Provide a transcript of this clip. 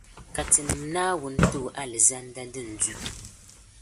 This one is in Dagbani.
Ka tinim’ Naawuni ti o Alizanda din du.